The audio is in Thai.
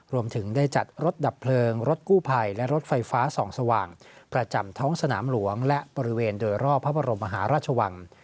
รวมถึงได้จัดรถดับเพลิงรถกู้ภัยและรถไฟฟ้าส่องสว่างประจำท้องสนามหลวงและบริเวณโดยรอบพระบรมมหาราชวัง